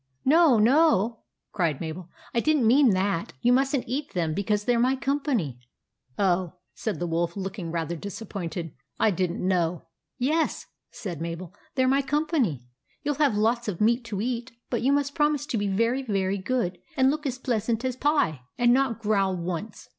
" No, no !" cried Mabel, " I did n't mean that ! You must n't eat them, because they 're my company." THE ANIMAL PARTY 121 " Oh !" said the Wolf, looking rather dis appointed. " I did n't know." 14 Yes," said Mabel, " they 're my com pany. You '11 have lots of meat to eat ; but you must promise to be very, very good, and look as pleasant as pie, and not growl once.